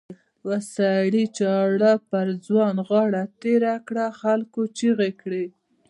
یوه سړي چاړه پر ځوان غاړه تېره کړه خلکو چیغې کړې.